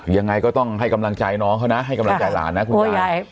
ยังไงก็ต้องให้กำลังใจน้องเขานะให้กำลังใจหลานนะคุณพ่อ